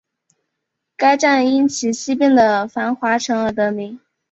该站因其西边的巩华城而得名。